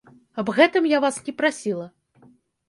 Аб гэтым я вас не прасіла.